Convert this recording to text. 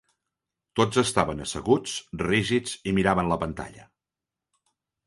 Tots estaven asseguts, rígids, i miraven la pantalla.